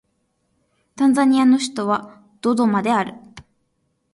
タンザニアの首都はドドマである